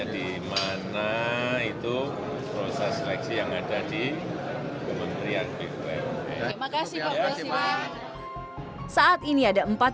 di mana itu proses seleksi yang ada di kementerian bumn terima kasih pak prasila saat ini ada empat